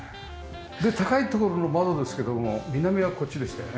で高い所の窓ですけども南はこっちでしたよね。